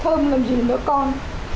thơm làm gì nữa con